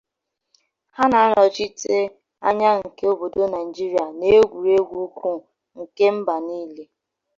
Ha na anọchite anya nke obodo Naijiria na egwuruegwu ụkwụ nke mba nile.